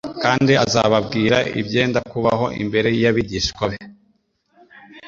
kandi azababwira ibyenda kubaho." Imbere y'abigishwa be,